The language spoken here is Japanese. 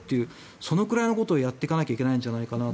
そのくらいのことをやっていかなきゃいけないんじゃないかなと。